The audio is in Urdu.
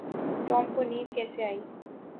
ٹام کو نیند کیسی ائی؟